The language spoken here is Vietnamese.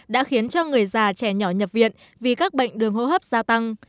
đã khiến cho người già trẻ nhỏ nhập viện vì các bệnh đường hô hấp gia tăng